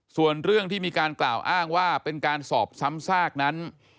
ส่วนเรื่องที่มีการกล่าวอ้างว่าเป็นการสอบซ้ำซากนั้น